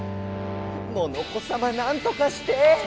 モノコさまなんとかして！